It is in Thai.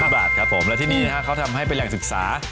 บาทครับผมและที่นี่นะครับเขาทำให้เป็นแหล่งศึกษา